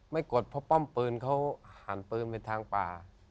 กดเพราะป้อมปืนเขาหันปืนไปทางป่า